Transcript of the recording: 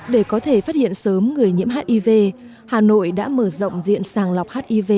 để có thể phát hiện sớm người nhiễm hiv hà nội đã mở rộng diện sàng lọc hiv